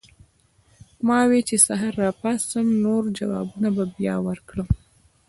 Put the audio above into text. ما وې چې سحر راپاسم نور جوابونه به بیا ورکړم